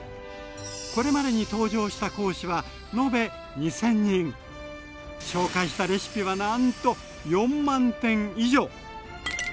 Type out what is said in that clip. これまでに登場した講師は延べ紹介したレシピはなんと４０，０００点以上。